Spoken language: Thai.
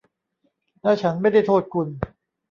และฉันไม่ได้โทษคุณ